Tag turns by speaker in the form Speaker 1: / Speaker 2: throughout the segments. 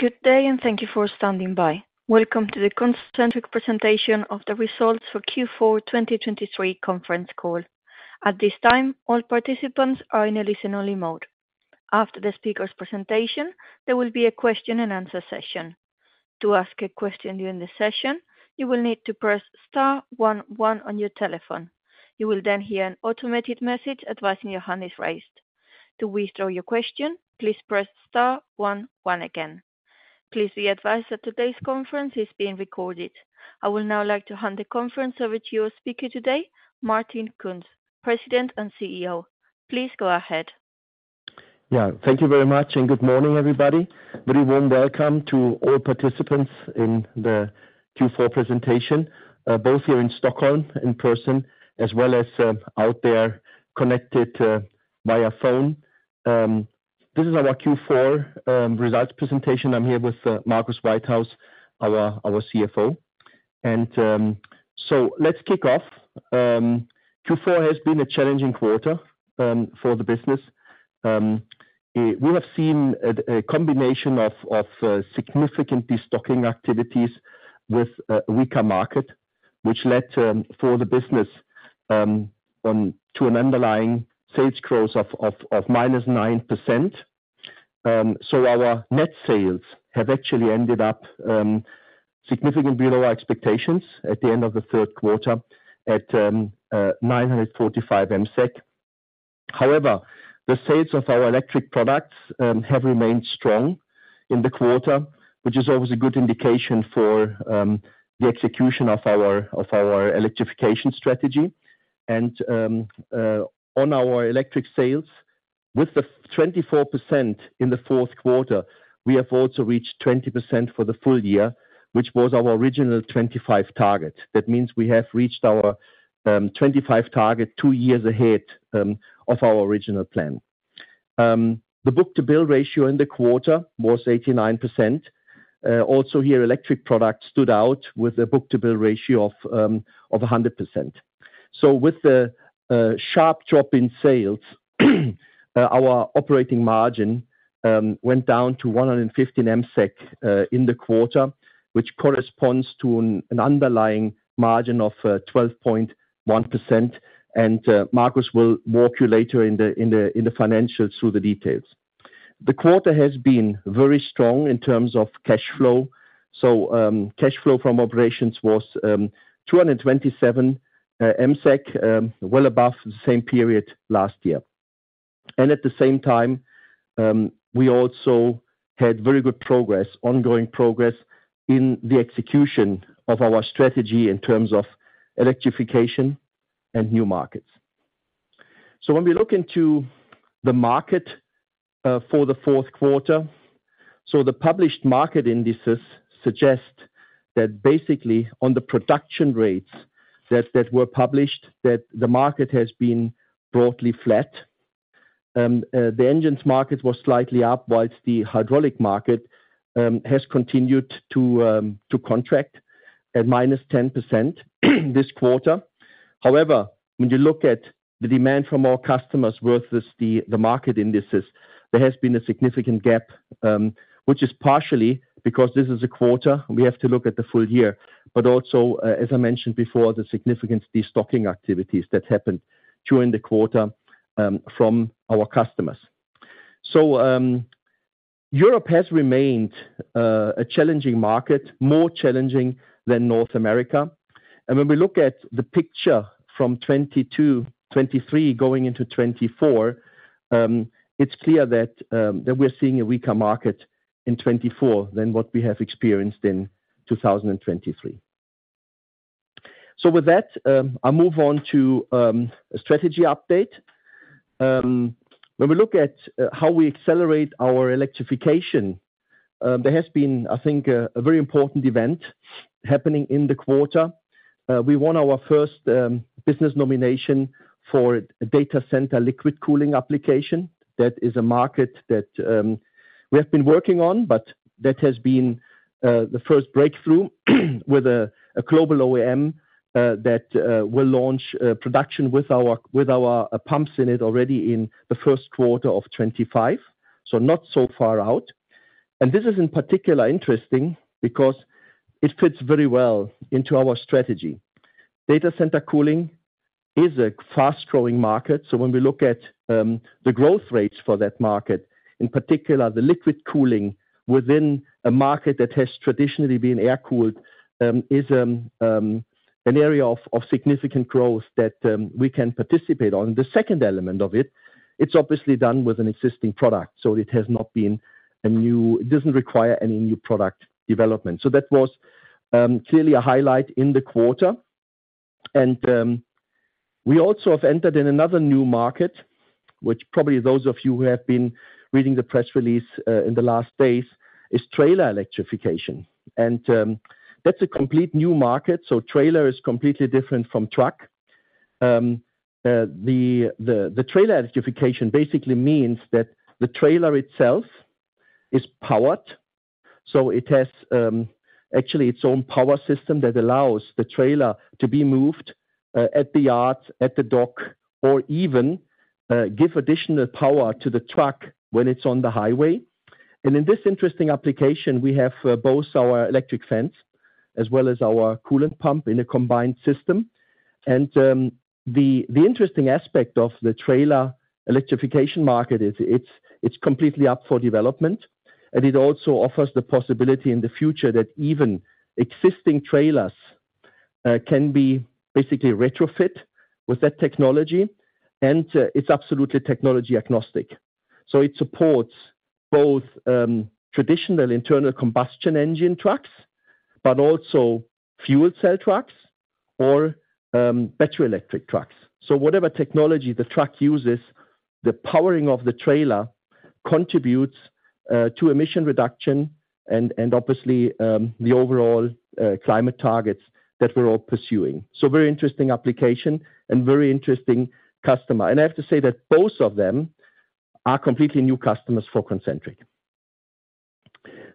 Speaker 1: Good day, and thank you for standing by. Welcome to the Concentric presentation of the results for Q4 2023 conference call. At this time, all participants are in a listen-only mode. After the speaker's presentation, there will be a question and answer session. To ask a question during the session, you will need to press star one, one on your telephone. You will then hear an automated message advising your hand is raised. To withdraw your question, please press star one, one again. Please be advised that today's conference is being recorded. I will now like to hand the conference over to your speaker today, Martin Kunz, President and CEO. Please go ahead.
Speaker 2: Yeah, thank you very much, and good morning, everybody. Very warm welcome to all participants in the Q4 presentation, both here in Stockholm, in person, as well as out there connected via phone. This is our Q4 results presentation. I'm here with Marcus Whitehouse, our CFO, and so let's kick off. Q4 has been a challenging quarter for the business. We have seen a combination of significant destocking activities with a weaker market, which led to, for the business, an underlying sales growth of -9%. So our net sales have actually ended up significantly below expectations at the end of the third quarter at 945 MSEK. However, the sales of our electric products have remained strong in the quarter, which is always a good indication for the execution of our, of our electrification strategy. On our electric sales, with the 24% in the fourth quarter, we have also reached 20% for the full year, which was our original 25% target. That means we have reached our 25% target two years ahead of our original plan. The book-to-bill ratio in the quarter was 89%. Also here, electric products stood out with a book-to-bill ratio of a 100%. So with the sharp drop in sales, our operating margin went down to 115 MSEK in the quarter, which corresponds to an underlying margin of 12.1%. Marcus will walk you later in the financials through the details. The quarter has been very strong in terms of cash flow, so cash flow from operations was 227 MSEK, well above the same period last year. And at the same time, we also had very good progress, ongoing progress in the execution of our strategy in terms of electrification and new markets. So when we look into the market for the fourth quarter, the published market indices suggest that basically on the production rates that were published, the market has been broadly flat. The engines market was slightly up, while the hydraulic market has continued to contract at -10%, this quarter. However, when you look at the demand from our customers versus the market indices, there has been a significant gap, which is partially because this is a quarter, we have to look at the full year, but also, as I mentioned before, the significant destocking activities that happened during the quarter, from our customers. So, Europe has remained a challenging market, more challenging than North America. And when we look at the picture from 2022, 2023, going into 2024, it's clear that we're seeing a weaker market in 2024 than what we have experienced in 2023. So with that, I'll move on to a strategy update. When we look at how we accelerate our electrification, there has been, I think, a very important event happening in the quarter. We won our first business nomination for a data center liquid cooling application. That is a market that we have been working on, but that has been the first breakthrough with a global OEM that will launch production with our pumps in it already in the first quarter of 2025, so not so far out. And this is in particular interesting because it fits very well into our strategy. Data center cooling is a fast-growing market, so when we look at the growth rates for that market, in particular, the liquid cooling within a market that has traditionally been air-cooled is an area of significant growth that we can participate on. The second element of it, it's obviously done with an existing product, so it has not been a new. It doesn't require any new product development. So that was clearly a highlight in the quarter. And we also have entered in another new market, which probably those of you who have been reading the press release in the last days is trailer electrification. And that's a complete new market, so trailer is completely different from truck. The trailer electrification basically means that the trailer itself is powered, so it has actually its own power system that allows the trailer to be moved at the yard, at the dock, or even give additional power to the truck when it's on the highway. In this interesting application, we have both our electric fan as well as our coolant pump in a combined system. The interesting aspect of the trailer electrification market is it's completely up for development, and it also offers the possibility in the future that even existing trailers can be basically retrofit with that technology, and it's absolutely technology agnostic. So it supports both traditional internal combustion engine trucks, but also fuel cell trucks or battery electric trucks. So whatever technology the truck uses, the powering of the trailer contributes to emission reduction and obviously the overall climate targets that we're all pursuing. So very interesting application and very interesting customer. I have to say that both of them are completely new customers for Concentric.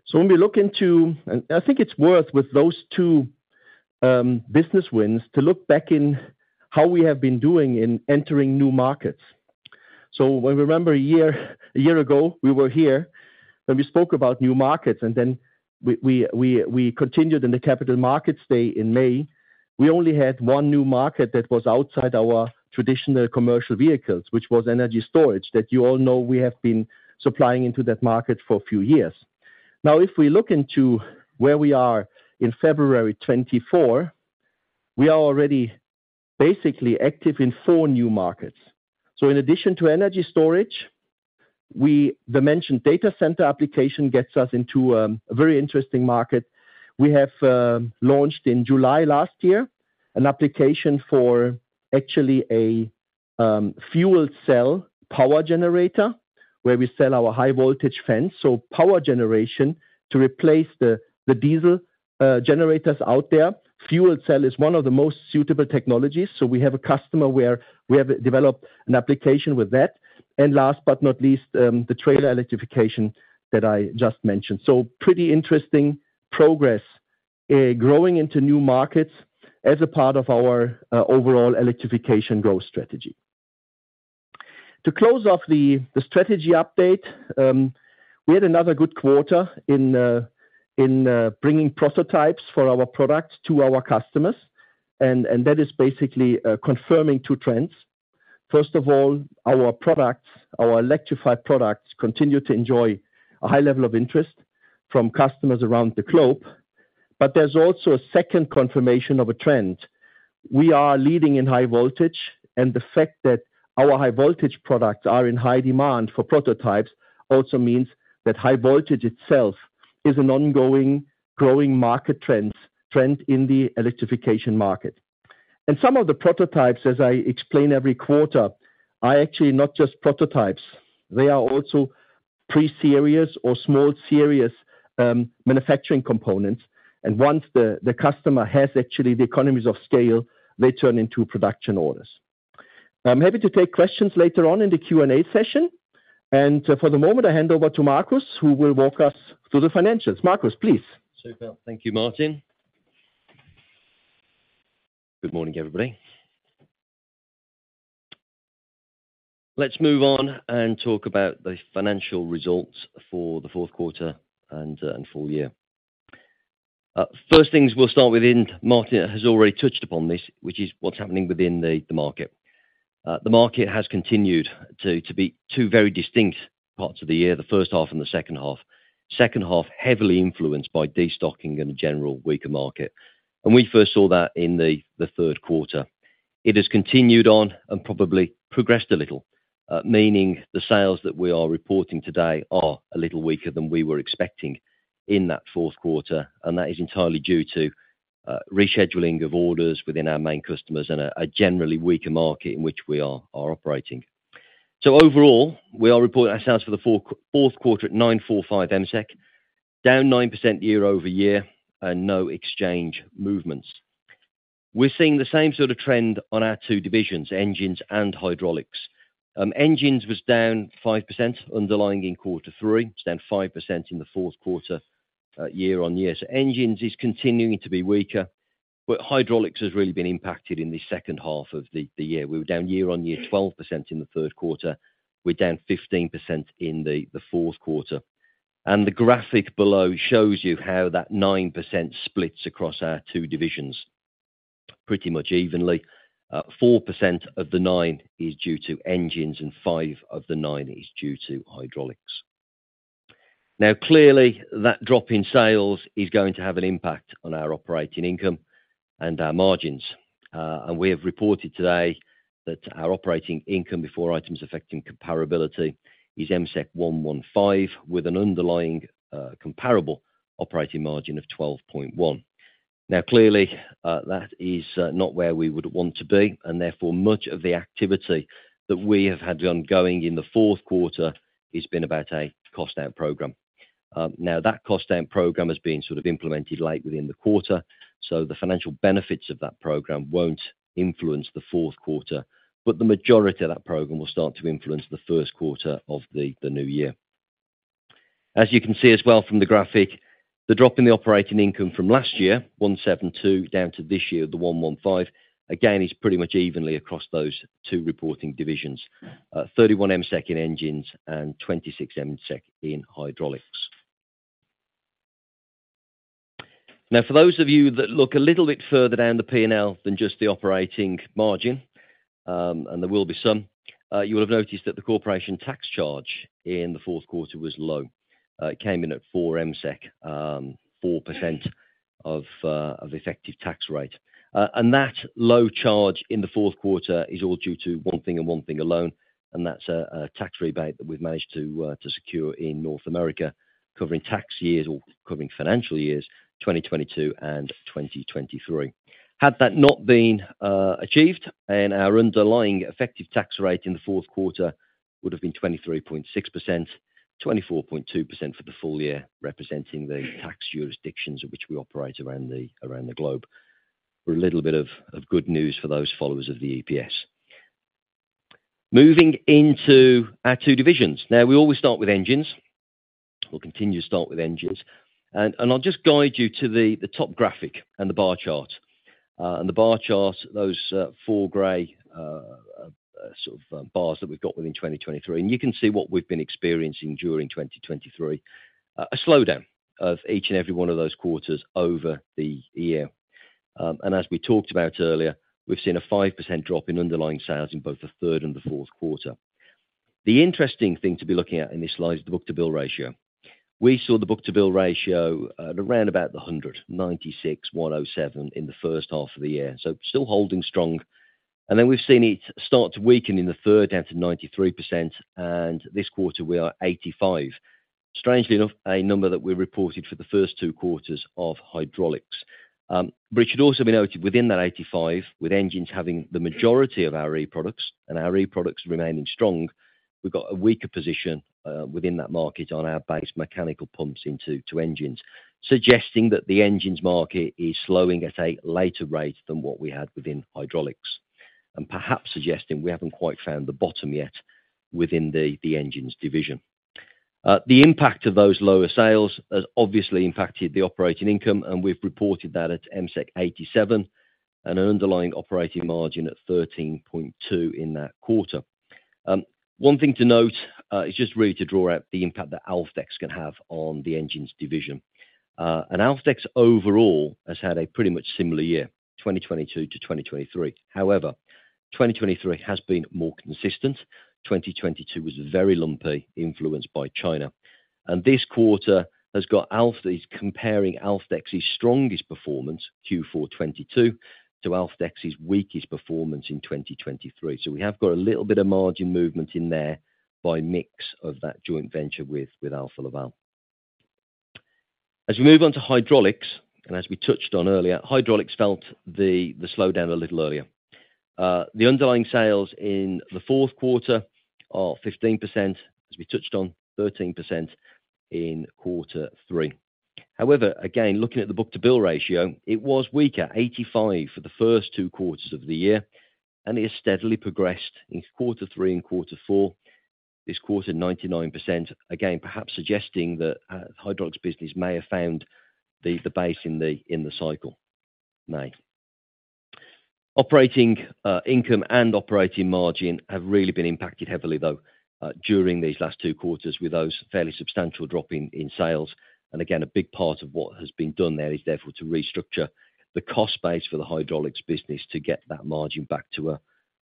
Speaker 2: So when we look into and I think it's worth with those two business wins, to look back in how we have been doing in entering new markets. So when we remember a year ago, we were here, and we spoke about new markets, and then we continued in the Capital Markets Day in May. We only had one new market that was outside our traditional commercial vehicles, which was energy storage, that you all know we have been supplying into that market for a few years. Now, if we look into where we are in February 2024, we are already basically active in four new markets. So in addition to energy storage, we the mentioned data center application gets us into a very interesting market. We have launched in July last year, an application for actually a fuel cell power generator, where we sell our high voltage fans, so power generation to replace the diesel generators out there. Fuel cell is one of the most suitable technologies, so we have a customer where we have developed an application with that. And last but not least, the trailer electrification that I just mentioned. So pretty interesting progress, growing into new markets as a part of our overall electrification growth strategy. To close off the strategy update, we had another good quarter in bringing prototypes for our products to our customers, and that is basically confirming two trends. First of all, our products, our electrified products, continue to enjoy a high level of interest from customers around the globe, but there's also a second confirmation of a trend. We are leading in high voltage, and the fact that our high voltage products are in high demand for prototypes, also means that high voltage itself is an ongoing, growing market trend in the electrification market. And some of the prototypes, as I explain every quarter, are actually not just prototypes. They are also pre-serious or small serious, manufacturing components, and once the customer has actually the economies of scale, they turn into production orders. I'm happy to take questions later on in the Q&A session, and for the moment, I hand over to Marcus, who will walk us through the financials. Marcus, please.
Speaker 3: Sure, thank you, Martin. Good morning, everybody. Let's move on and talk about the financial results for the fourth quarter and full year. First things we'll start with, and Martin has already touched upon this, which is what's happening within the market. The market has continued to be two very distinct parts of the year, the first half and the second half. Second half, heavily influenced by destocking and a general weaker market. And we first saw that in the third quarter. It has continued on and probably progressed a little, meaning the sales that we are reporting today are a little weaker than we were expecting in that fourth quarter, and that is entirely due to rescheduling of orders within our main customers and a generally weaker market in which we are operating. So overall, we are reporting our sales for the fourth quarter at 945 MSEK, down 9% year-over-year, and no exchange movements. We're seeing the same sort of trend on our two divisions, engines and hydraulics. Engines was down 5%, underlying in quarter three, and 5% in the fourth quarter, year-on-year. So engines is continuing to be weaker, but hydraulics has really been impacted in the second half of the year. We were down year-on-year, 12% in the third quarter. We're down 15% in the fourth quarter. And the graphic below shows you how that 9% splits across our two divisions, pretty much evenly. Four percent of the nine is due to engines, and five of the nine is due to hydraulics. Now, clearly, that drop in sales is going to have an impact on our operating income and our margins. We have reported today that our operating income before items affecting comparability is MSEK 115, with an underlying, comparable operating margin of 12.1%. Now, clearly, that is not where we would want to be, and therefore, much of the activity that we have had ongoing in the fourth quarter has been about a cost down program. Now, that cost down program has been sort of implemented late within the quarter, so the financial benefits of that program won't influence the fourth quarter, but the majority of that program will start to influence the first quarter of the new year. As you can see as well from the graphic, the drop in the operating income from last year, 172, down to this year, the 115, again, is pretty much evenly across those two reporting divisions, 31 MSEK in engines and 26 MSEK in hydraulics. Now, for those of you that look a little bit further down the P&L than just the operating margin, and there will be some, you will have noticed that the corporation tax charge in the fourth quarter was low. It came in at 4 MSEK, 4% of effective tax rate. And that low charge in the fourth quarter is all due to one thing and one thing alone, and that's a tax rebate that we've managed to secure in North America, covering tax years or covering financial years 2022 and 2023. Had that not been achieved, our underlying effective tax rate in the fourth quarter would have been 23.6%, 24.2% for the full year, representing the tax jurisdictions in which we operate around the globe. For a little bit of good news for those followers of the EPS. Moving into our two divisions. Now, we always start with engines. We'll continue to start with engines, and I'll just guide you to the top graphic and the bar chart. The bar chart, those sort of bars that we've got within 2023, and you can see what we've been experiencing during 2023, a slowdown of each and every one of those quarters over the year. As we talked about earlier, we've seen a 5% drop in underlying sales in both the third and the fourth quarter. The interesting thing to be looking at in this slide is the Book-to-Bill Ratio. We saw the Book-to-Bill Ratio at around about 196, 107 in the first half of the year, so still holding strong. Then we've seen it start to weaken in the third, down to 93%, and this quarter we are 85. Strangely enough, a number that we reported for the first two quarters of hydraulics. But it should also be noted within that 85, with engines having the majority of our e-products, and our e-products remaining strong, we've got a weaker position within that market on our base mechanical pumps into to engines, suggesting that the engines market is slowing at a later rate than what we had within hydraulics, and perhaps suggesting we haven't quite found the bottom yet within the engines division. The impact of those lower sales has obviously impacted the operating income, and we've reported that at MSEK 87, and an underlying operating margin at 13.2% in that quarter. One thing to note is just really to draw out the impact that Alfdex can have on the engines division. And Alfdex overall has had a pretty much similar year, 2022 to 2023. However, 2023 has been more consistent. 2022 was very lumpy, influenced by China. This quarter has got Alfdex—comparing Alfdex's strongest performance, Q4 2022, to Alfdex's weakest performance in 2023. We have got a little bit of margin movement in there by mix of that joint venture with Alfa Laval. As we move on to hydraulics, and as we touched on earlier, hydraulics felt the slowdown a little earlier. The underlying sales in the fourth quarter are 15%, as we touched on, 13% in quarter three. However, again, looking at the book-to-bill ratio, it was weaker, 85% for the first two quarters of the year, and it has steadily progressed in quarter three and quarter four. This quarter, 99%, again, perhaps suggesting that the hydraulics business may have found the base in the cycle. May. Operating income and operating margin have really been impacted heavily, though, during these last two quarters, with those fairly substantial drop in sales. And again, a big part of what has been done there is therefore to restructure the cost base for the hydraulics business to get that margin back to a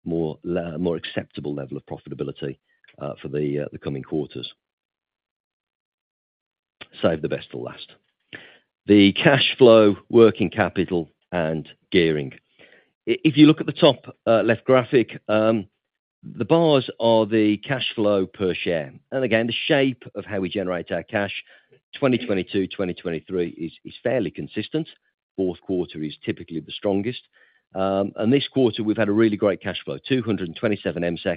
Speaker 3: more acceptable level of profitability, for the, the coming quarters. Save the best for last. The cash flow, working capital, and gearing. If you look at the top, left graphic, the bars are the cash flow per share. And again, the shape of how we generate our cash, 2022, 2023 is fairly consistent. Fourth quarter is typically the strongest. This quarter, we've had a really great cash flow, 227 MSEK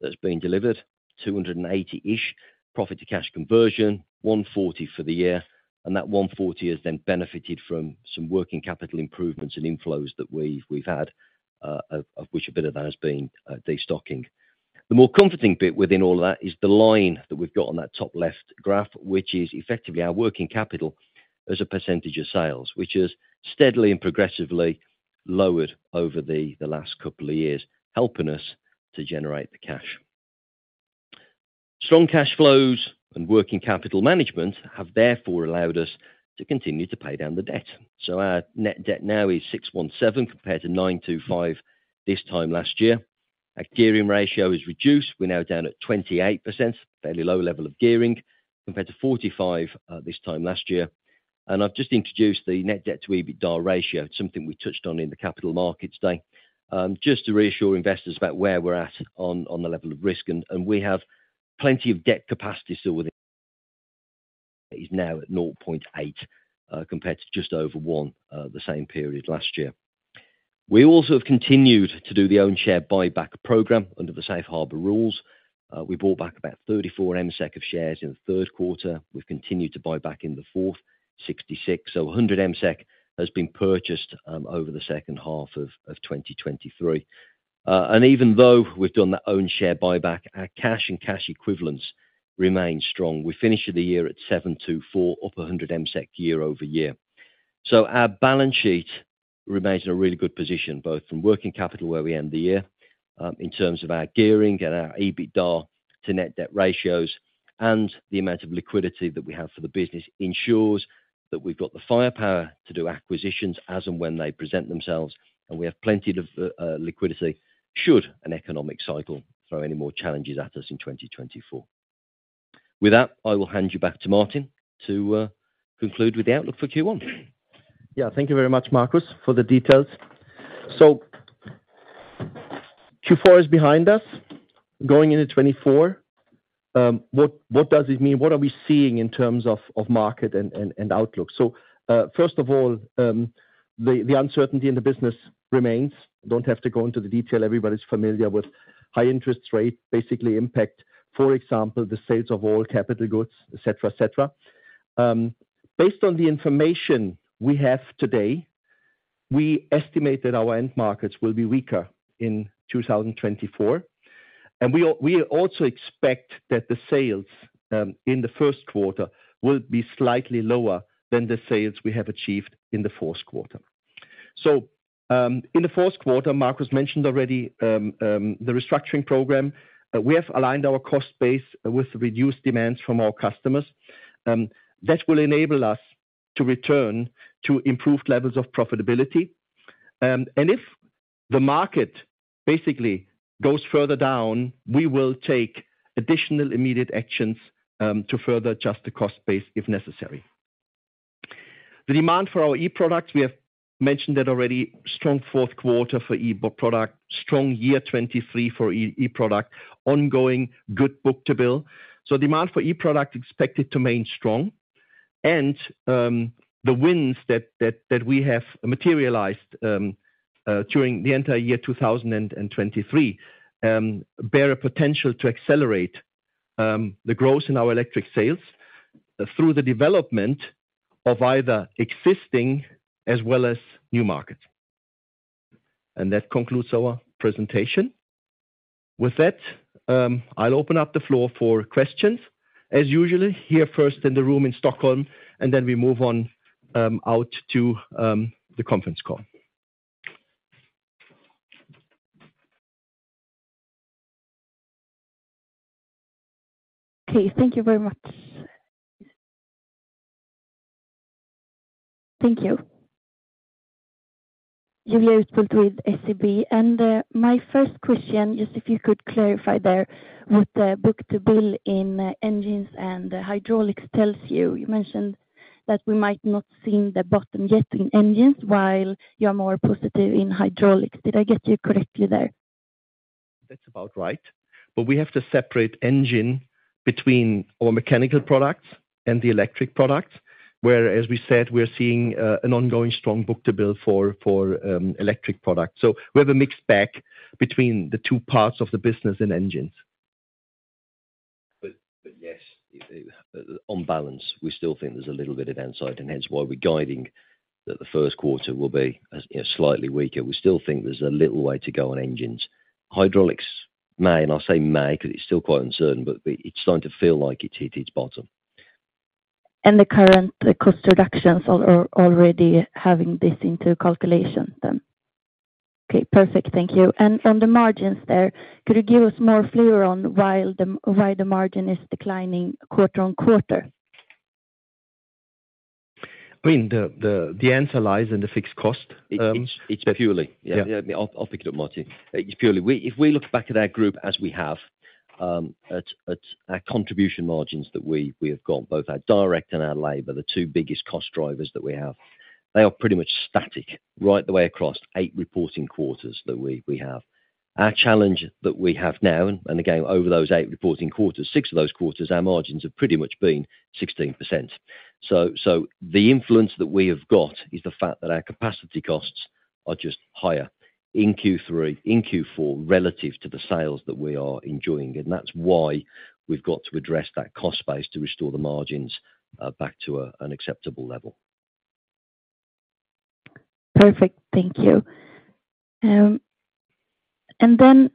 Speaker 3: that's been delivered, 280-ish% profit to cash conversion, 140% for the year, and that 140% has then benefited from some working capital improvements and inflows that we've had, of which a bit of that has been destocking. The more comforting bit within all that is the line that we've got on that top left graph, which is effectively our working capital as a percentage of sales, which has steadily and progressively lowered over the last couple of years, helping us to generate the cash. Strong cash flows and working capital management have therefore allowed us to continue to pay down the debt. So our net debt now is 617 MSEK compared to 925 MSEK this time last year. Our gearing ratio is reduced. We're now down at 28%, fairly low level of gearing, compared to 45% this time last year. I've just introduced the net debt to EBITDA ratio. It's something we touched on in the Capital Markets Day, just to reassure investors about where we're at on the level of risk, and we have plenty of debt capacity still within, It is now at 0.8, compared to just over one the same period last year. We also have continued to do the own share buyback program under the Safe Harbor Rules. We bought back about 34 MSEK of shares in the third quarter. We've continued to buy back in the fourth, 66 MSEK. So 100 MSEK has been purchased, over the second half of 2023. And even though we've done the own share buyback, our cash and cash equivalents remain strong. We finished the year at 724 MSEK, up 100 MSEK year-over-year. Our balance sheet remains in a really good position, both from working capital, where we end the year, in terms of our gearing and our EBITDA to net debt ratios, and the amount of liquidity that we have for the business ensures that we've got the firepower to do acquisitions as and when they present themselves, and we have plenty of liquidity, should an economic cycle throw any more challenges at us in 2024. With that, I will hand you back to Martin to conclude with the outlook for Q1.
Speaker 2: Yeah. Thank you very much, Marcus, for the details. So Q4 is behind us, going into 2024. What does it mean? What are we seeing in terms of market and outlook? So, first of all, the uncertainty in the business remains. Don't have to go into the detail. Everybody's familiar with high interest rates, basically impact, for example, the sales of all capital goods, et cetera, et cetera. Based on the information we have today, we estimate that our end markets will be weaker in 2024, and we also expect that the sales in the first quarter will be slightly lower than the sales we have achieved in the fourth quarter. So, in the fourth quarter, Marcus mentioned already, the restructuring program. We have aligned our cost base with reduced demands from our customers, that will enable us to return to improved levels of profitability. And if the market basically goes further down, we will take additional immediate actions, to further adjust the cost base if necessary. The demand for our e-products, we have mentioned that already, strong fourth quarter for e-product, strong year 2023 for e-product, ongoing good book-to-bill. So demand for e-product expected to remain strong, and, the wins that we have materialized, during the entire year 2023, bear a potential to accelerate, the growth in our electric sales through the development of either existing as well as new markets. And that concludes our presentation. With that, I'll open up the floor for questions, as usual here first in the room in Stockholm, and then we move on out to the conference call.
Speaker 4: Okay, thank you very much. Thank you. Julia Utbult with SEB, and my first question is if you could clarify there what the book-to-bill in engines and hydraulics tells you. You mentioned that we might not seen the bottom yet in engines, while you are more positive in hydraulics. Did I get you correctly there?
Speaker 2: That's about right. But we have to separate engines between our mechanical products and the electric products, where, as we said, we're seeing an ongoing strong book-to-bill for electric products. So we have a mixed bag between the two parts of the business and engines.
Speaker 3: But yes, on balance, we still think there's a little bit of downside, and hence why we're guiding that the first quarter will be a slightly weaker. We still think there's a little way to go on engines. Hydraulics may, and I say may, because it's still quite uncertain, but it's starting to feel like it's hit its bottom.
Speaker 4: The current cost reductions are already having this into calculation then? Okay, perfect. Thank you. From the margins there, could you give us more clear on why the margin is declining quarter on quarter?
Speaker 2: I mean, the answer lies in the fixed cost.
Speaker 3: It's purely.
Speaker 2: Yeah.
Speaker 3: Yeah. I'll, I'll pick it up, Martin. It's purely. If we look back at our group as we have, at, at our contribution margins that we, we have got, both our direct and our labor, the two biggest cost drivers that we have, they are pretty much static, right the way across 8 reporting quarters that we, we have. Our challenge that we have now, and again, over those 8 reporting quarters, 6 of those quarters, our margins have pretty much been 16%. So, so the influence that we have got is the fact that our capacity costs are just higher in Q3, in Q4, relative to the sales that we are enjoying, and that's why we've got to address that cost base to restore the margins, back to a, an acceptable level.
Speaker 4: Perfect. Thank you. And then,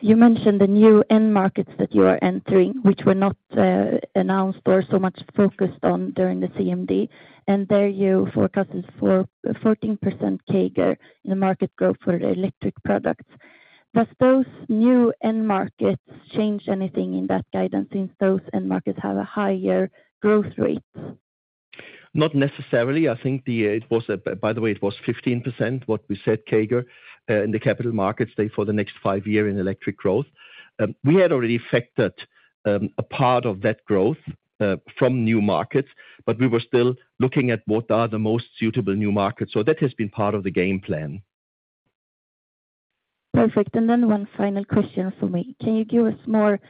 Speaker 4: you mentioned the new end markets that you are entering, which were not announced or so much focused on during the CMD, and there you forecasted for 14% CAGR in the market growth for electric products. Does those new end markets change anything in that guidance since those end markets have a higher growth rate?
Speaker 3: Not necessarily. I think it was, by the way, it was 15%, what we said, CAGR, in the Capital Markets Day for the next five year in electric growth. We had already factored a part of that growth from new markets, but we were still looking at what are the most suitable new markets. So that has been part of the game plan.
Speaker 4: Perfect. And then one final question for me. Can you give us more,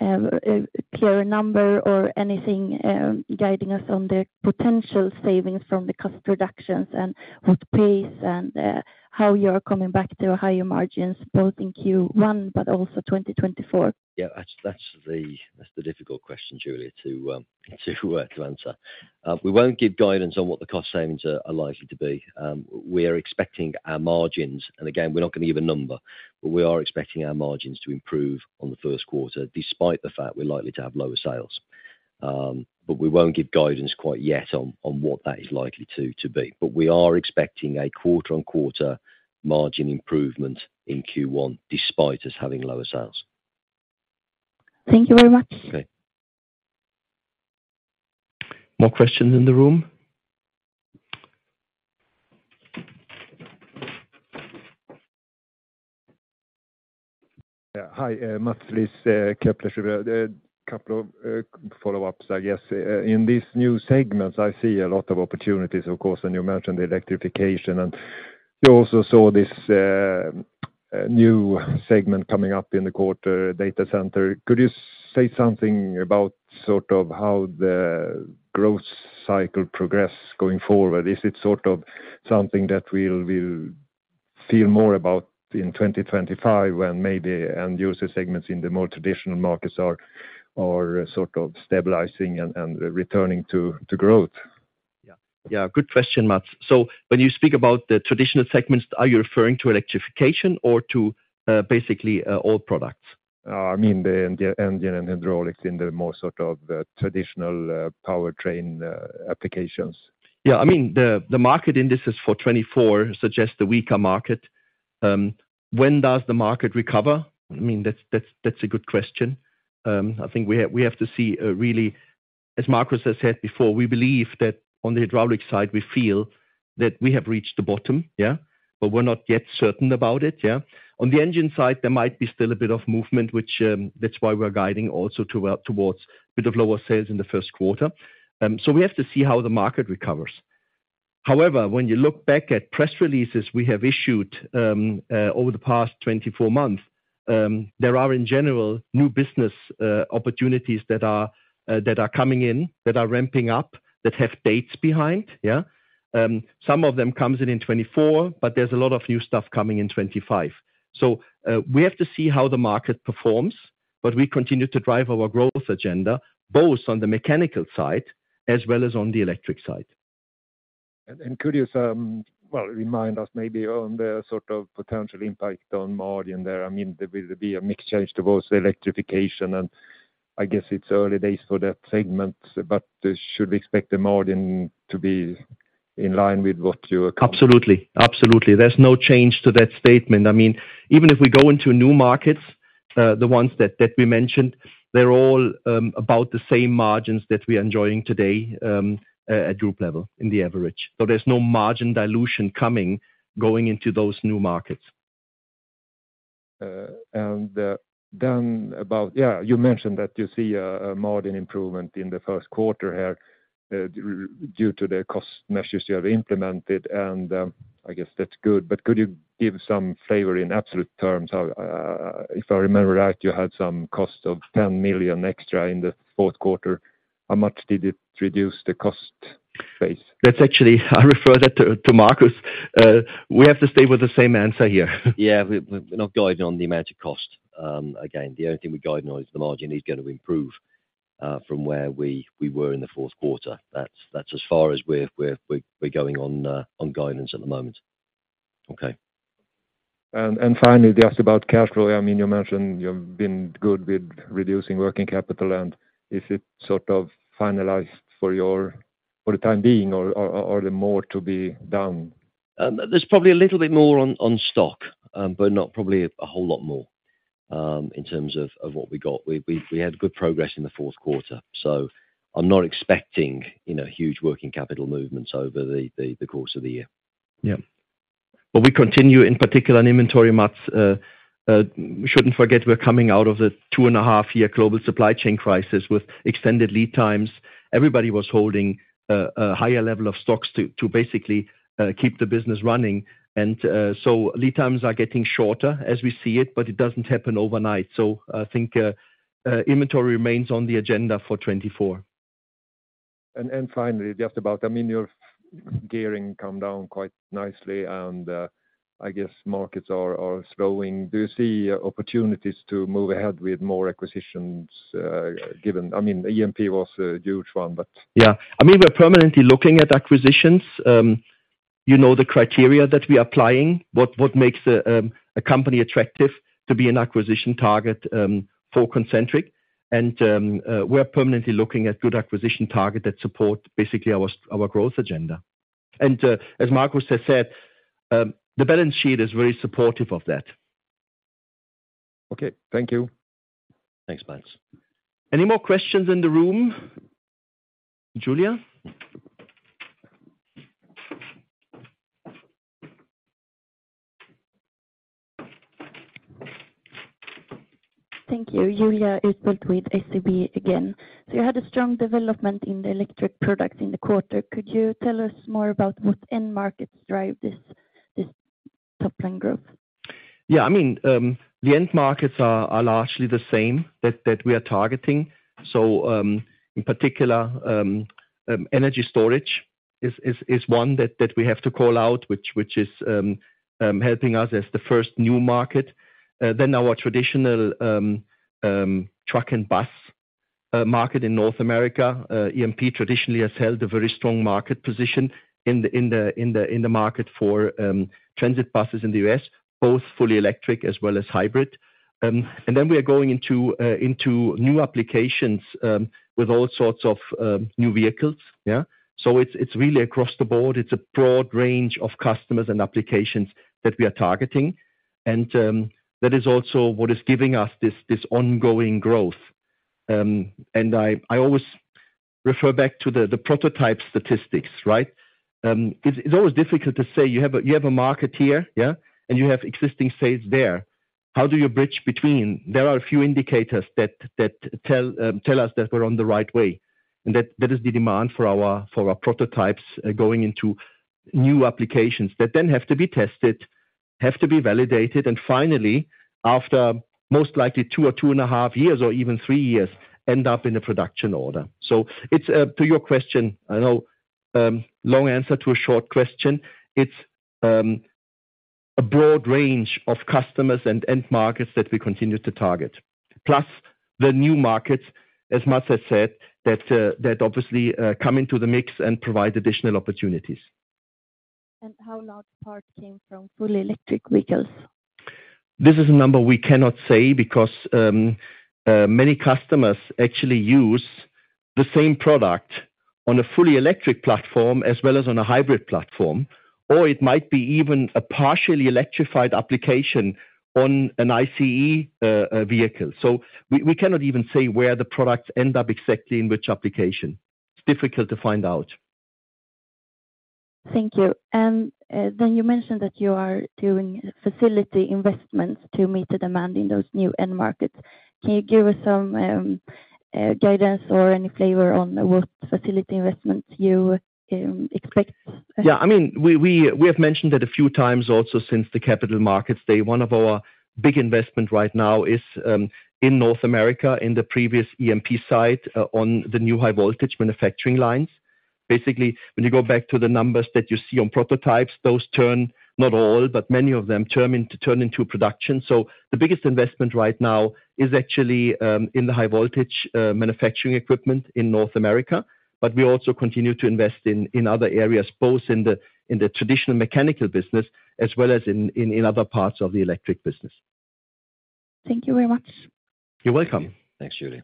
Speaker 4: a clear number or anything, guiding us on the potential savings from the cost reductions and what pace and, how you are coming back to higher margins, both in Q1 but also 2024?
Speaker 3: Yeah, that's the difficult question, Julia, to answer. We won't give guidance on what the cost savings are likely to be. We are expecting our margins, and again, we're not going to give a number, but we are expecting our margins to improve on the first quarter, despite the fact we're likely to have lower sales. But we won't give guidance quite yet on what that is likely to be. But we are expecting a quarter on quarter margin improvement in Q1, despite us having lower sales
Speaker 4: Thank you very much.
Speaker 3: Okay.
Speaker 2: More questions in the room?
Speaker 5: Yeah, hi, Mats Liss, a couple of follow-ups, I guess. In these new segments, I see a lot of opportunities, of course, and you mentioned the electrification, and you also saw this new segment coming up in the quarter data center. Could you say something about sort of how the growth cycle progress going forward? Is it sort of something that we'll feel more about in 2025 when maybe end user segments in the more traditional markets are stabilizing and returning to growth?
Speaker 2: Yeah, yeah, good question, Mats. So when you speak about the traditional segments, are you referring to electrification or to, basically, all products?
Speaker 5: I mean, the engine and hydraulics in the more sort of traditional powertrain applications.
Speaker 2: Yeah, I mean, the market indices for 2024 suggests the weaker market. When does the market recover? I mean, that's a good question. I think we have to see, really, as Marcus has said before, we believe that on the hydraulic side, we feel that we have reached the bottom. Yeah, but we're not yet certain about it, yeah. On the engine side, there might be still a bit of movement, which, that's why we're guiding also to, towards a bit of lower sales in the first quarter. So we have to see how the market recovers. However, when you look back at press releases we have issued, over the past 24 months, there are, in general, new business opportunities that are coming in, that are ramping up, that have dates behind. Some of them comes in in 2024, but there's a lot of new stuff coming in 2025. So, we have to see how the market performs, but we continue to drive our growth agenda, both on the mechanical side as well as on the electric side.
Speaker 5: Well, could you remind us maybe on the sort of potential impact on margin there? I mean, there will be a mix change towards electrification, and I guess it's early days for that segment, but should we expect the margin to be in line with what you...
Speaker 2: Absolutely. Absolutely. There's no change to that statement. I mean, even if we go into new markets, the ones that we mentioned, they're all about the same margins that we are enjoying today, at group level in the average. So there's no margin dilution coming, going into those new markets.
Speaker 5: And then about, yeah, you mentioned that you see a margin improvement in the first quarter here, due to the cost measures you have implemented, and I guess that's good. But could you give some flavor in absolute terms? How, if I remember right, you had some cost of 10 million extra in the fourth quarter. How much did it reduce the cost base?
Speaker 2: That's actually, I refer that to, to Marcus. We have to stay with the same answer here.
Speaker 3: Yeah, we're not guiding on the amount of cost. Again, the only thing we're guiding on is the margin is gonna improve from where we were in the fourth quarter. That's as far as we're going on guidance at the moment.
Speaker 5: Okay. And finally, just about cash flow. I mean, you mentioned you've been good with reducing working capital, and is it sort of finalized for your, for the time being or the more to be done?
Speaker 3: There's probably a little bit more on stock, but not probably a whole lot more, in terms of what we got. We had good progress in the fourth quarter, so I'm not expecting, you know, huge working capital movements over the course of the year.
Speaker 2: Yeah. But we continue, in particular in inventory months. We shouldn't forget we're coming out of the 2.5-year global supply chain crisis with extended lead times. Everybody was holding a higher level of stocks to basically keep the business running. So lead times are getting shorter as we see it, but it doesn't happen overnight. So I think inventory remains on the agenda for 2024.
Speaker 5: And finally, just about, I mean, your gearing come down quite nicely, and I guess markets are slowing. Do you see opportunities to move ahead with more acquisitions, given I mean, EMP was a huge one, but.
Speaker 2: Yeah. I mean, we're permanently looking at acquisitions. You know, the criteria that we are applying, what makes a company attractive to be an acquisition target for Concentric. And we're permanently looking at good acquisition target that support basically our growth agenda. And as Marcus has said, the balance sheet is very supportive of that.
Speaker 5: Okay, thank you.
Speaker 3: Thanks, Mats.
Speaker 2: Any more questions in the room? Julia.
Speaker 4: Thank you. Julia Utbult with SEB again. So you had a strong development in the electric products in the quarter. Could you tell us more about what end markets drive this, this top line growth?
Speaker 2: Yeah, I mean, the end markets are largely the same that we are targeting. So, in particular, energy storage is one that we have to call out, which is helping us as the first new market. Then our traditional truck and bus market in North America, EMP traditionally has held a very strong market position in the market for transit buses in the U.S., both fully electric as well as hybrid. And then we are going into new applications with all sorts of new vehicles. Yeah. So it's really across the board. It's a broad range of customers and applications that we are targeting. And that is also what is giving us this ongoing growth. And I always refer back to the prototype statistics, right? It's always difficult to say you have a market here, yeah, and you have existing sales there. How do you bridge between? There are a few indicators that tell us that we're on the right way, and that is the demand for our prototypes, going into new applications that then have to be tested, have to be validated, and finally, after most likely two or two and a half years, or even three years, end up in a production order. So it's to your question, I know, long answer to a short question. It's a broad range of customers and end markets that we continue to target, plus the new markets, as Matt has said, that obviously come into the mix and provide additional opportunities.
Speaker 4: How large part came from fully electric vehicles?
Speaker 2: This is a number we cannot say because many customers actually use the same product on a fully electric platform, as well as on a hybrid platform, or it might be even a partially electrified application on an ICE vehicle. So we, we cannot even say where the products end up exactly in which application. It's difficult to find out.
Speaker 4: Thank you. And then you mentioned that you are doing facility investments to meet the demand in those new end markets. Can you give us some guidance or any flavor on what facility investments you expect?
Speaker 2: Yeah, I mean, we have mentioned it a few times also since the Capital Markets Day. One of our big investment right now is in North America, in the previous EMP site, on the new high voltage manufacturing lines. Basically, when you go back to the numbers that you see on prototypes, those turn, not all, but many of them turn into production. So the biggest investment right now is actually in the high voltage manufacturing equipment in North America. But we also continue to invest in other areas, both in the traditional mechanical business as well as in other parts of the electric business.
Speaker 4: Thank you very much.
Speaker 2: You're welcome.
Speaker 3: Thanks, Julie.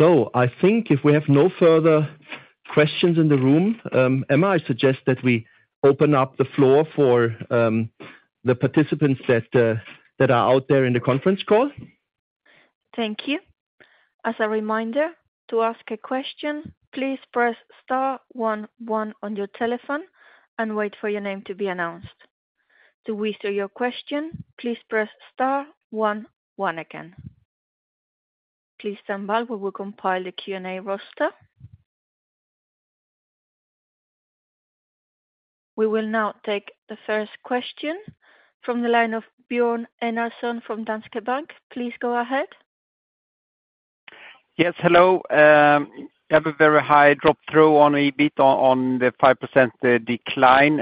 Speaker 2: I think if we have no further questions in the room, Emma, I suggest that we open up the floor for the participants that are out there in the conference call.
Speaker 1: Thank you. As a reminder, to ask a question, please press star one, one on your telephone and wait for your name to be announced. To withdraw your question, please press star one, one again. Please stand by, we will compile a Q&A roster. We will now take the first question from the line of Björn Enarson from Danske Bank. Please go ahead.
Speaker 6: Yes, hello. You have a very high drop-through on EBIT on the 5% decline.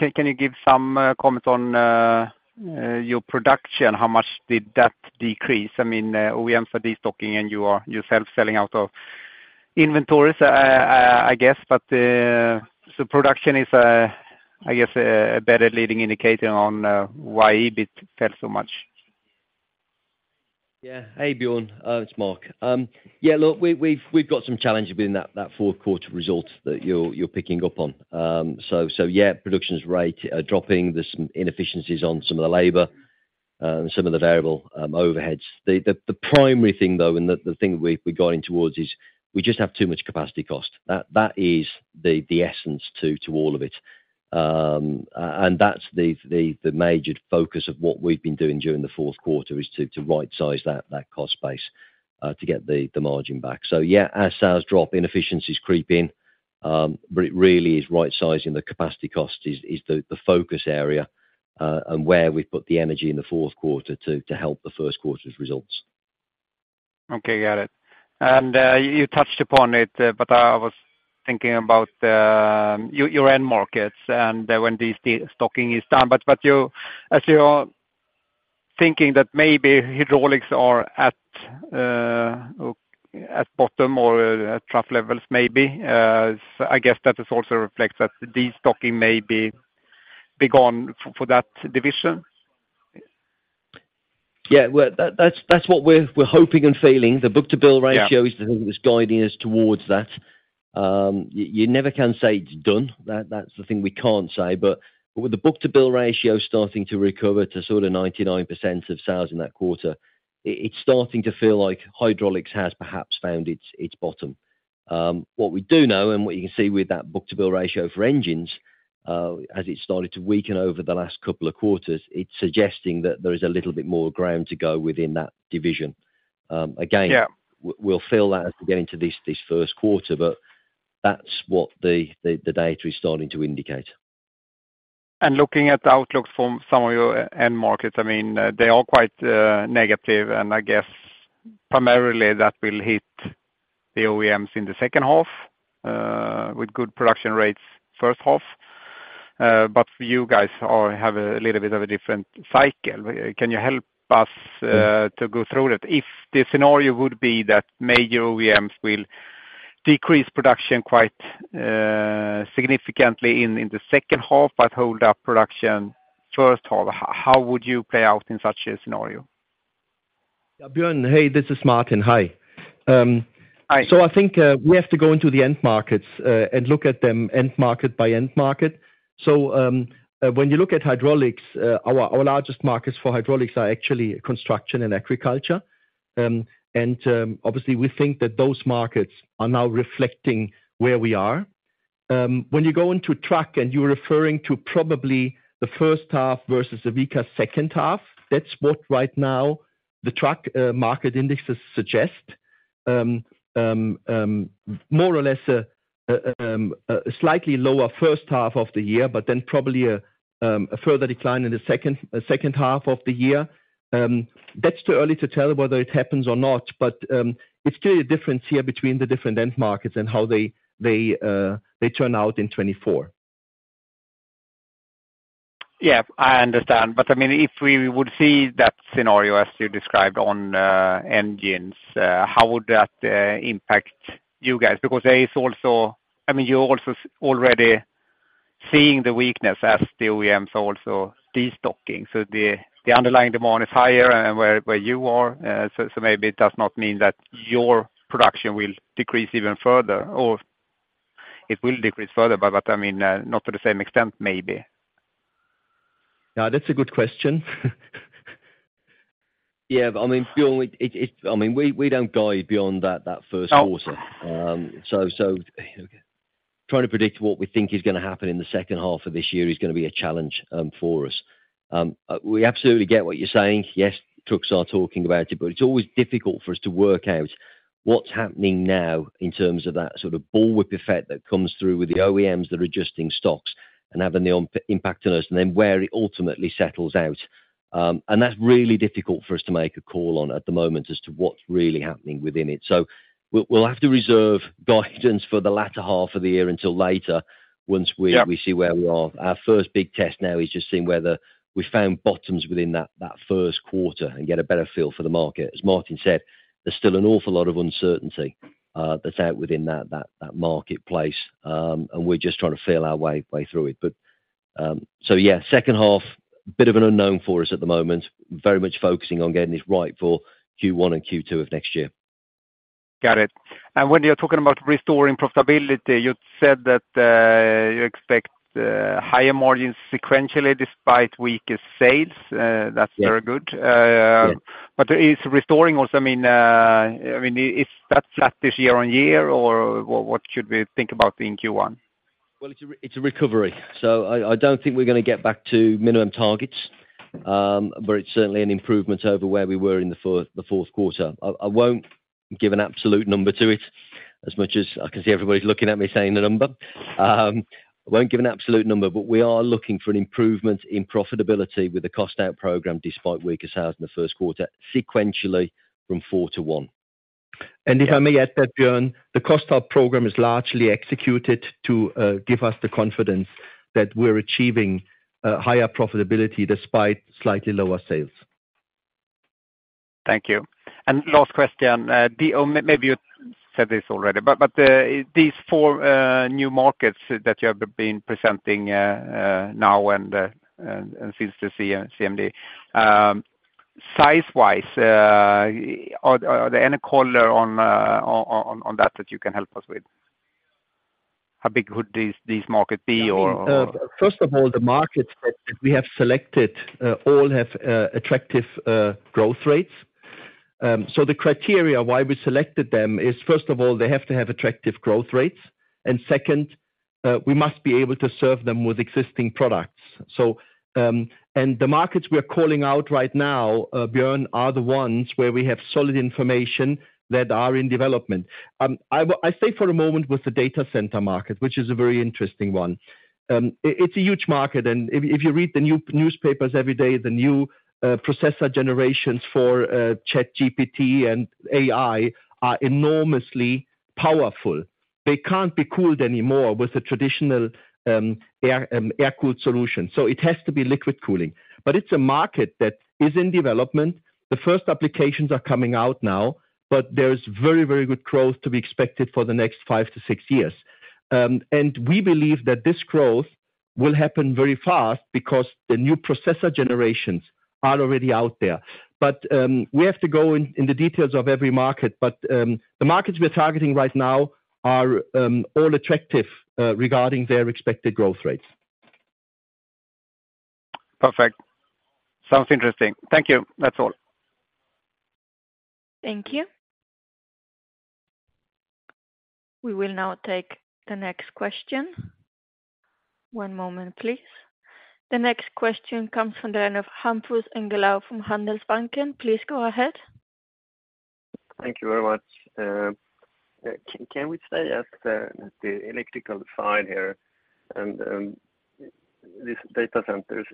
Speaker 6: Can you give some comment on your production? How much did that decrease? I mean, OEM for destocking, and you are yourself selling out of inventories, I guess, but so production is, I guess, a better leading indicator on why EBIT fell so much.
Speaker 3: Yeah. Hey, Björn, it's Mark. Yeah, look, we've got some challenges within that fourth quarter result that you're picking up on. So, yeah, production rate dropping. There's some inefficiencies on some of the labor and some of the variable overheads. The primary thing, though, and the thing we're going towards is we just have too much capacity cost. That is the essence to all of it. And that's the major focus of what we've been doing during the fourth quarter, is to rightsize that cost base to get the margin back. So, yeah, as sales drop, inefficiencies creep in, but it really is right sizing the capacity cost is the focus area, and where we've put the energy in the fourth quarter to help the first quarter's results.
Speaker 6: Okay, got it. And you touched upon it, but I was thinking about your end markets, and when these destocking is done. But you as you're thinking that maybe hydraulics are at bottom or at trough levels, maybe, so I guess that is also reflects that destocking may be gone for that division?
Speaker 3: Yeah, well, that's what we're hoping and feeling. The book-to-bill ratio-
Speaker 6: Yeah
Speaker 3: is guiding us towards that. You never can say it's done. That's the thing we can't say, but with the book-to-bill ratio starting to recover to sort of 99% of sales in that quarter, it's starting to feel like hydraulics has perhaps found its bottom. What we do know, and what you can see with that book-to-bill ratio for engines, as it started to weaken over the last couple of quarters, it's suggesting that there is a little bit more ground to go within that division. Again-
Speaker 6: Yeah
Speaker 3: we'll feel that as we get into this first quarter, but that's what the data is starting to indicate.
Speaker 6: Looking at the outlook from some of your end markets, I mean, they are quite negative, and I guess primarily that will hit the OEMs in the second half, with good production rates first half... But you guys all have a little bit of a different cycle. Can you help us to go through that? If the scenario would be that major OEMs will decrease production quite significantly in the second half, but hold up production first half, how would you play out in such a scenario?
Speaker 2: Yeah, Björn, hey, this is Martin. Hi.
Speaker 6: Hi.
Speaker 2: I think we have to go into the end markets and look at them end market by end market. When you look at hydraulics, our largest markets for hydraulics are actually construction and agriculture. Obviously we think that those markets are now reflecting where we are. When you go into truck and you're referring to probably the first half versus a weaker second half, that's what right now the truck market indexes suggest, more or less a slightly lower first half of the year, but then probably a further decline in the second half of the year. That's too early to tell whether it happens or not, but it's clearly a difference here between the different end markets and how they turn out in 2024.
Speaker 6: Yeah, I understand. But I mean, if we would see that scenario as you described on engines, how would that impact you guys? Because there is also I mean, you're also already seeing the weakness as the OEMs are also destocking. So the underlying demand is higher and where you are, so maybe it does not mean that your production will decrease even further, or it will decrease further, but I mean, not to the same extent, maybe.
Speaker 2: Yeah, that's a good question.
Speaker 3: Yeah, but I mean, Björn, I mean, we don't guide beyond that first quarter.
Speaker 2: Oh.
Speaker 3: So, trying to predict what we think is gonna happen in the second half of this year is gonna be a challenge for us. We absolutely get what you're saying. Yes, trucks are talking about it, but it's always difficult for us to work out what's happening now in terms of that sort of bullwhip effect that comes through with the OEMs that are adjusting stocks and having the impact on us, and then where it ultimately settles out. And that's really difficult for us to make a call on at the moment as to what's really happening within it. So we'll have to reserve guidance for the latter half of the year until later, once we-
Speaker 6: Yeah
Speaker 3: We see where we are. Our first big test now is just seeing whether we found bottoms within that first quarter and get a better feel for the market. As Martin said, there's still an awful lot of uncertainty that's out within that marketplace. And we're just trying to feel our way through it. But so yeah, second half, bit of an unknown for us at the moment. Very much focusing on getting this right for Q1 and Q2 of next year.
Speaker 6: Got it. And when you're talking about restoring profitability, you said that you expect higher margins sequentially, despite weaker sales.
Speaker 3: Yeah.
Speaker 6: That's very good.
Speaker 3: Yeah.
Speaker 6: Is restocking also, I mean, I mean, is that flat this year-over-year, or what should we think about in Q1?
Speaker 3: Well, it's a recovery, so I don't think we're gonna get back to minimum targets. But it's certainly an improvement over where we were in the fourth quarter. I won't give an absolute number to it, as much as I can see everybody's looking at me saying the number. I won't give an absolute number, but we are looking for an improvement in profitability with the cost out program, despite weaker sales in the first quarter, sequentially from four to one.
Speaker 2: If I may add that, Björn, the cost out program is largely executed to give us the confidence that we're achieving higher profitability despite slightly lower sales.
Speaker 6: Thank you. And last question, or maybe you said this already, but these four new markets that you have been presenting now and since the CMD. Size-wise, are there any color on that that you can help us with? How big would these market be, or
Speaker 2: First of all, the markets that we have selected all have attractive growth rates. The criteria why we selected them is, first of all, they have to have attractive growth rates, and second, we must be able to serve them with existing products. And the markets we are calling out right now, Björn, are the ones where we have solid information that are in development. I stay for a moment with the data center market, which is a very interesting one. It's a huge market, and if you read the newspapers every day, the new processor generations for ChatGPT and AI are enormously powerful. They can't be cooled anymore with the traditional air-cooled solution, so it has to be liquid cooling. But it's a market that is in development. The first applications are coming out now, but there is very, very good growth to be expected for the next five to six years. And we believe that this growth will happen very fast because the new processor generations are already out there. But we have to go in the details of every market. But the markets we're targeting right now are all attractive regarding their expected growth rates.
Speaker 6: Perfect. Sounds interesting. Thank you. That's all.
Speaker 1: Thank you. We will now take the next question. One moment, please. The next question comes from the line of Hampus Engellau from Handelsbanken. Please go ahead.
Speaker 7: Thank you very much. Can we stay at the, the electrical side here and these data centers,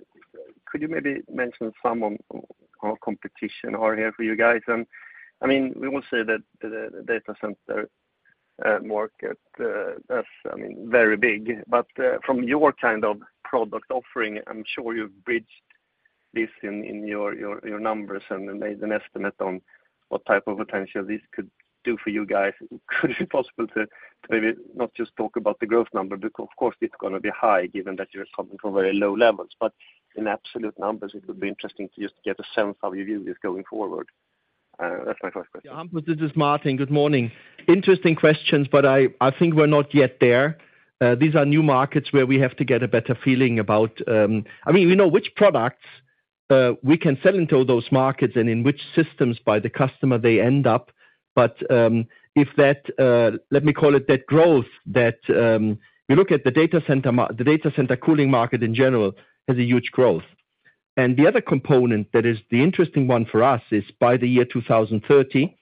Speaker 7: could you maybe mention some on competition are here for you guys? I mean, we will say that the data center market, that's, I mean, very big. But from your kind of product offering, I'm sure you've bridged this in your numbers and made an estimate on what type of potential this could do for you guys. Could it be possible to maybe not just talk about the growth number, because of course, it's gonna be high, given that you're coming from very low levels, but in absolute numbers, it would be interesting to just get a sense how you view this going forward. That's my first question.
Speaker 2: Yeah, Hampus, this is Martin. Good morning. Interesting questions, but I, I think we're not yet there. These are new markets where we have to get a better feeling about. I mean, we know which products we can sell into those markets and in which systems by the customer they end up. But, if that, let me call it that growth, that you look at the data center the data center cooling market in general, has a huge growth. And the other component that is the interesting one for us is by the year 2030,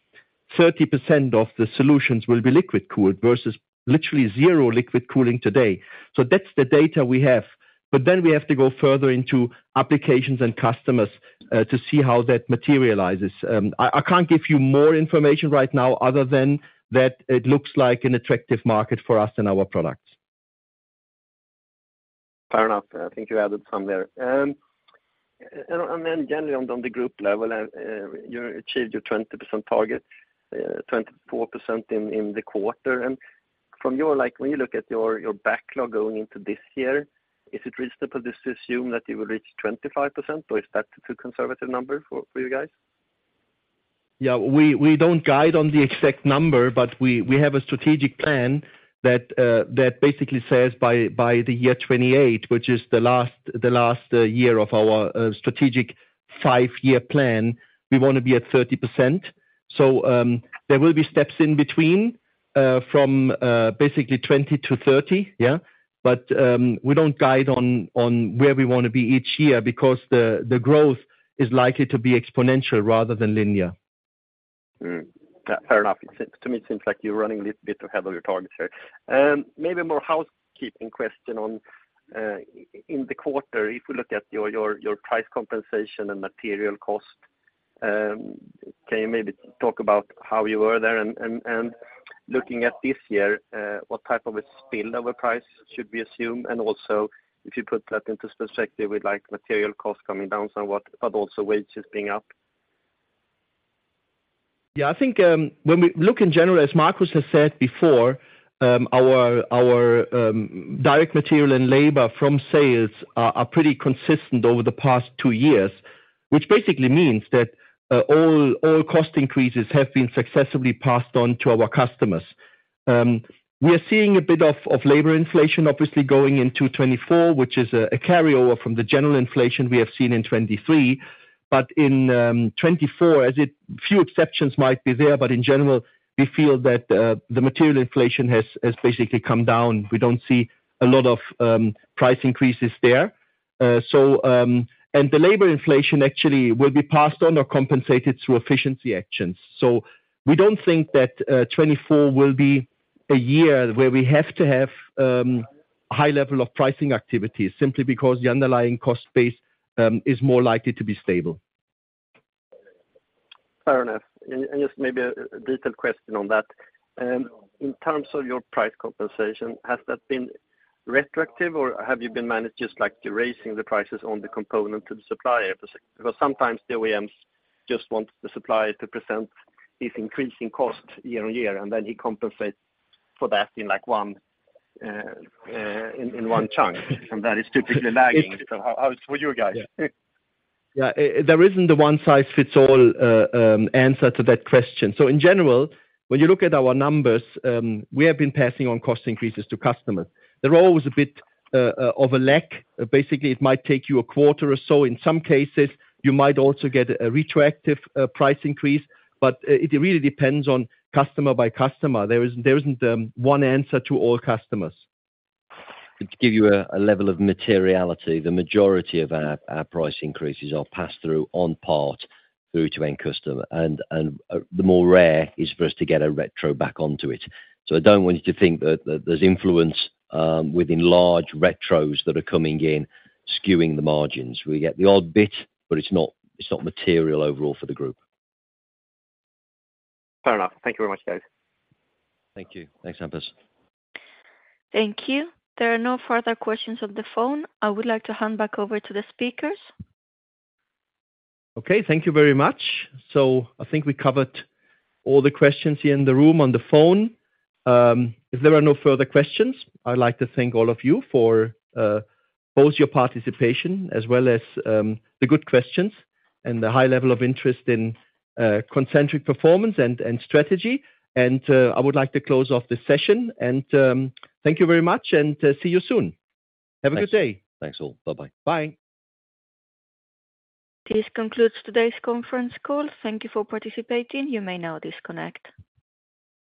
Speaker 2: 30% of the solutions will be liquid cooled versus literally zero liquid cooling today. So that's the data we have. But then we have to go further into applications and customers to see how that materializes. I can't give you more information right now other than that it looks like an attractive market for us and our products.
Speaker 7: Fair enough. I think you added some there. And then generally on the group level, you achieved your 20% target, 24% in the quarter. And from your like, when you look at your backlog going into this year, is it reasonable just to assume that you will reach 25%, or is that too conservative number for you guys?
Speaker 2: Yeah, we don't guide on the exact number, but we have a strategic plan that basically says by the year 2028, which is the last year of our strategic five-year plan, we want to be at 30%. So, there will be steps in between from basically 20%-30%, yeah. But, we don't guide on where we want to be each year because the growth is likely to be exponential rather than linear.
Speaker 7: Fair enough. It seems to me, it seems like you're running a little bit ahead of your targets here. Maybe more housekeeping question on, in the quarter, if you look at your price compensation and material cost, can you maybe talk about how you were there and looking at this year, what type of a spillover price should we assume? And also, if you put that into perspective with like material costs coming down somewhat, but also wages being up.
Speaker 2: Yeah, I think, when we look in general, as Marcus has said before, our direct material and labor from sales are pretty consistent over the past two years, which basically means that, all cost increases have been successfully passed on to our customers. We are seeing a bit of labor inflation, obviously, going into 2024, which is a carryover from the general inflation we have seen in 2023. But in 2024, as a few exceptions might be there, but in general, we feel that, the material inflation has basically come down. We don't see a lot of price increases there. So, and the labor inflation actually will be passed on or compensated through efficiency actions. We don't think that 2024 will be a year where we have to have a high level of pricing activities, simply because the underlying cost base is more likely to be stable.
Speaker 7: Fair enough. And just maybe a detailed question on that. In terms of your price compensation, has that been retroactive, or have you been managed just like you're raising the prices on the component to the supplier? Because sometimes the OEMs just want the supplier to present his increasing cost year on year, and then he compensates for that in, like, one chunk, and that is typically lagging. So how is it for you guys?
Speaker 2: Yeah. There isn't a one-size-fits-all answer to that question. So in general, when you look at our numbers, we have been passing on cost increases to customers. There are always a bit of a lag. Basically, it might take you a quarter or so. In some cases, you might also get a retroactive price increase, but it really depends on customer by customer. There isn't one answer to all customers.
Speaker 3: To give you a level of materiality, the majority of our price increases are passed through in part through to end customer, and the more rare is for us to get a retro back onto it. So I don't want you to think that there's influence within large retros that are coming in, skewing the margins. We get the odd bit, but it's not material overall for the group.
Speaker 7: Fair enough. Thank you very much, guys.
Speaker 3: Thank you. Thanks, Hampus.
Speaker 1: Thank you. There are no further questions on the phone. I would like to hand back over to the speakers.
Speaker 2: Okay, thank you very much. So I think we covered all the questions here in the room on the phone. If there are no further questions, I'd like to thank all of you for both your participation as well as the good questions and the high level of interest in Concentric performance and, and strategy. And I would like to close off the session, and thank you very much, and see you soon.
Speaker 3: Thanks all. Bye-bye.
Speaker 2: Bye.
Speaker 1: This concludes today's conference call. Thank you for participating. You may now disconnect.